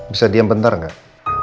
bisa diam bentar gak